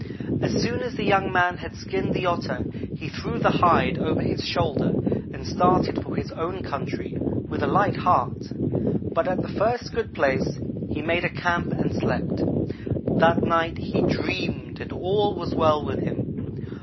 As soon as the young man had skinned the Otter he threw the hide over his shoulder and started for his own country with a light heart, but at the first good place he made a camp, and slept. That night he dreamed and all was well with him.